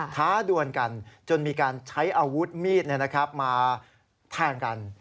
ท้าดวนกันจนมีการใช้อาวุธมีดมาแทงกัน